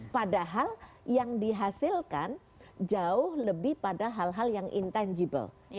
padahal yang dihasilkan jauh lebih pada hal hal yang intangible